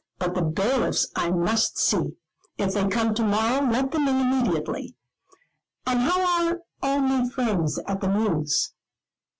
But the bailiffs I must see. If they come to morrow, let them in immediately. And how are all my friends at the Mews?"